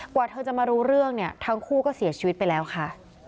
กว่าเธอจะมารู้เรื่องเนี่ยทั้งคู่ก็เสียชีวิตไปแล้วค่ะ